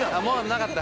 なかった。